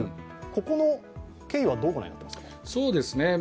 ここの経緯はどう御覧になりますか？